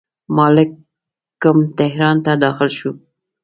مالکم تهران ته داخل شو.